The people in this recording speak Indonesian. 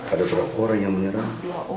ada beberapa orang yang menyerang